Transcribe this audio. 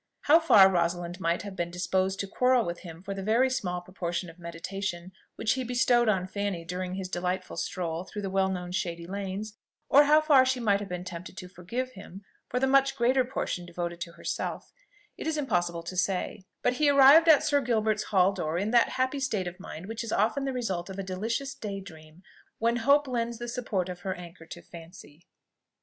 How far Rosalind might have been disposed to quarrel with him for the very small proportion of meditation which he bestowed on Fanny during his delightful stroll through the well known shady lanes, or how far she might have been tempted to forgive him for the much greater portion devoted to herself, it is impossible to say; but he arrived at Sir Gilbert's hall door in that happy state of mind which is often the result of a delicious day dream, when Hope lends the support of her anchor to Fancy.